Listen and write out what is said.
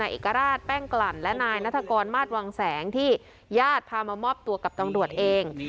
เอกราชแป้งกลั่นและนายนัฐกรมาสวังแสงที่ญาติพามามอบตัวกับตำรวจเอง